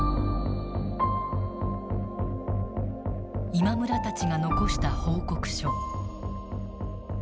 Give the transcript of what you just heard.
今村たちが残した報告書。